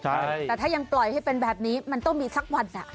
แต่ถ้ายังปล่อยให้เป็นแบบนี้มันต้องมีสักวัน